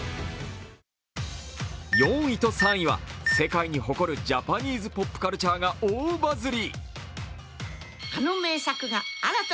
４位と３位は世界に誇るジャパニーズポップカルチャーが大バズり。